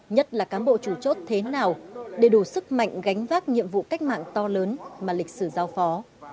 nhất là cán bộ chủ chốt thế nào để đủ sức mạnh gánh vác nhiệm vụ cách mạng to lớn mà lịch sử giao phó